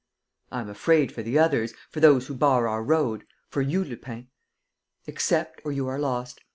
"I am afraid for the others, for those who bar our road, for you, Lupin. Accept, or you are lost.